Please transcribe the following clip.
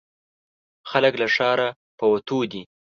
خلک له ښاره په وتو دي.